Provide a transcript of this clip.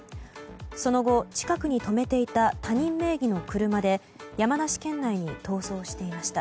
その後、近くに止めていた他人名義の車で山梨県内に逃走していました。